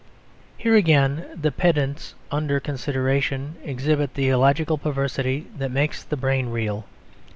Here again the pendants under consideration exhibit the illogical perversity that makes the brain reel.